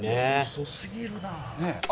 遅すぎるなあ。